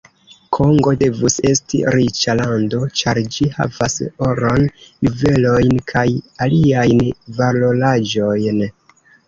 Kongo devus esti riĉa lando, ĉar ĝi havas oron, juvelojn kaj aliajn valoraĵojn.